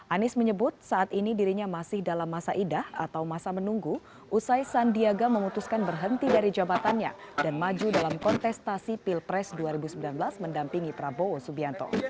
anies menyebut saat ini dirinya masih dalam masa idah atau masa menunggu usai sandiaga memutuskan berhenti dari jabatannya dan maju dalam kontestasi pilpres dua ribu sembilan belas mendampingi prabowo subianto